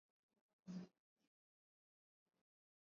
Jacob alimvuta yule jamaa na kumsogeza pembeni